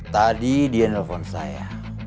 tadi dia nelfon saya